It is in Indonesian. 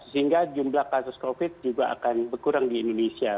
sehingga jumlah kasus covid juga akan berkurang di indonesia